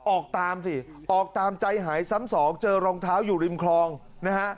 ออกตามสิออกตามใจหายซ้ำสองเจอรองเท้าอยู่ริมคลองนะฮะ